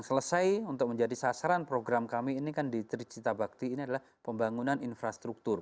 selesai untuk menjadi sasaran program kami ini kan di cita bakti ini adalah pembangunan infrastruktur